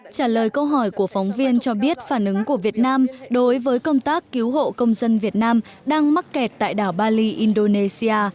trả lời câu hỏi của phóng viên cho biết phản ứng của việt nam đối với công tác cứu hộ công dân việt nam đang mắc kẹt tại đảo bali indonesia